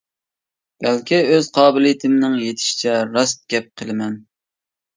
بەلكى، ئۆز قابىلىيىتىمنىڭ يېتىشىچە راست گەپ قىلىمەن.